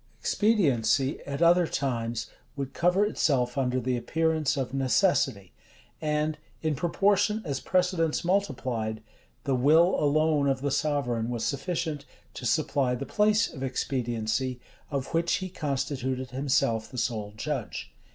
Expediency, at other times, would cover itself under the appearance of necessity; and, in proportion as precedents multiplied, the will alone of the sovereign was sufficient to supply the place of expediency, of which he constituted himself the sole judge.